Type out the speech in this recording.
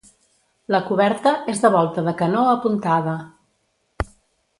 La coberta és de volta de canó apuntada.